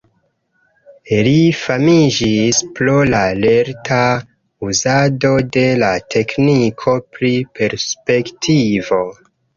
Li famiĝis pro la lerta uzado de la tekniko pri perspektivo.